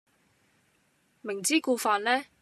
明知故犯呢？